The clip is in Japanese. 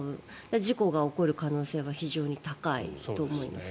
事故が起こる可能性は非常に高いと思いますよ。